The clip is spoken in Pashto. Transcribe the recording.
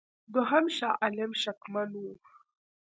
دوهم شاه عالم شکمن وو.